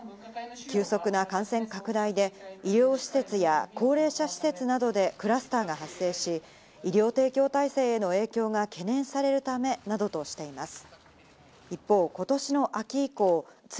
急速な感染拡大で医療施設や高齢者施設などでクラスターが発生し、医療提供体制への影響が懸念されるためなどとしています。